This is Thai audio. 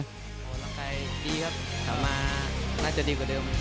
อเจมส์ร่างกายดีครับถามมาน่าจะดีกว่าเดิม